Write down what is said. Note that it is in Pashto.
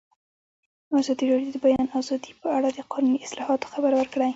ازادي راډیو د د بیان آزادي په اړه د قانوني اصلاحاتو خبر ورکړی.